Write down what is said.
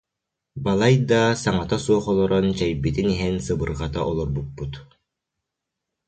Балайда, саҥата суох олорон, чэйбитин иһэн сыбырҕата олорбуппут